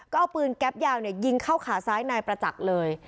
ก็เอาปืนแก๊ปยาวยิงเข้าขาซ้ายนายประจักษ์เลย